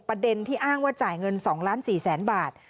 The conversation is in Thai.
ประเด็นที่อ้างว่าจ่ายเงิน๒๔๐๐๐๐๐บาท